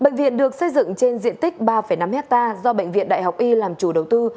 bệnh viện được xây dựng trên diện tích ba năm hectare do bệnh viện đại học y làm chủ đầu tư